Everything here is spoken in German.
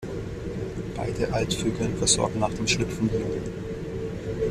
Beide Altvögel versorgen nach dem Schlüpfen die Jungen.